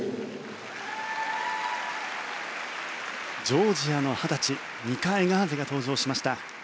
ジョージアの二十歳ニカ・エガーゼが登場しました。